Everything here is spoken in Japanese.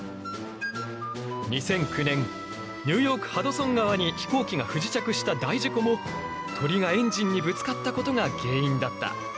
２００９年ニューヨークハドソン川に飛行機が不時着した大事故も鳥がエンジンにぶつかったことが原因だった。